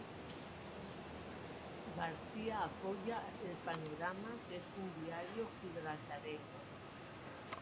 Garcia apoya el "Panorama" que es un diario gibraltareño.